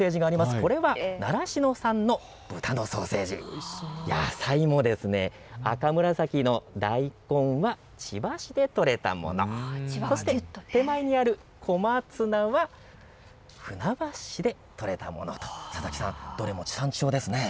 これは習志野産の豚のソーセージ、野菜も赤紫の大根は千葉市でとれたもの、そして手前にある小松菜は船橋市で取れたもの、佐々木さん、どれも地産地消ですね。